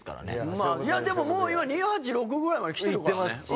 まあでももう今２８６ぐらいまできてるからね。